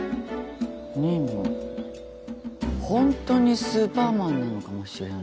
ホントにスーパーマンなのかもしれんなぁ。